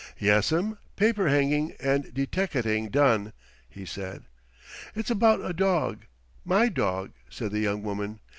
"Yes'm, paper hanging and deteckating done," he said. "It's about a dog, my dog," said the young woman.